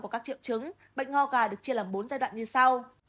của các triệu chứng bệnh ngò gà được chia làm bốn giai đoạn như sau